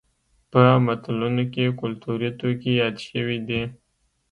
په متلونو کې کولتوري توکي یاد شوي دي